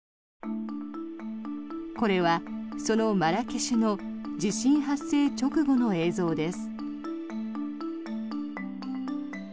これは、そのマラケシュの地震発生直後の映像です。